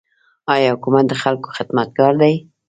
آیا حکومت د خلکو خدمتګار دی؟